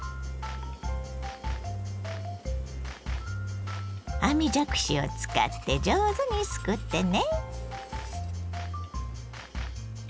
絶えず網じゃくしを使って上手にすくってね。